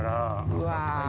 うわ。